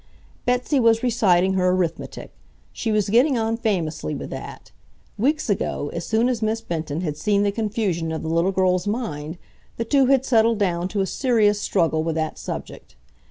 Betsy was reciting her arithmetic. She was getting on famously with that. Weeks ago, as soon as Miss Benton had seen the confusion of the little girl's mind, the two had settled down to a serious struggle with that subject.